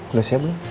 udah siap belum